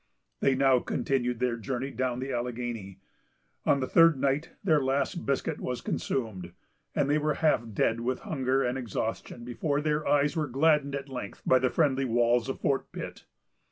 They now continued their journey down the Alleghany. On the third night their last biscuit was consumed, and they were half dead with hunger and exhaustion before their eyes were gladdened at length by the friendly walls of Fort Pitt.